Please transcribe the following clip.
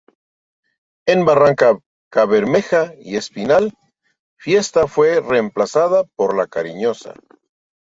En Barrancabermeja y Espinal, Fiesta fue reemplazada por La Cariñosa.